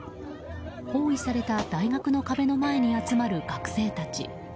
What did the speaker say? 包囲された大学の壁の前に集まる学生たち。